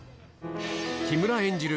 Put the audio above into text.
木村演じる